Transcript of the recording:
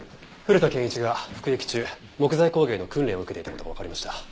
古田憲一が服役中木材工芸の訓練を受けていた事がわかりました。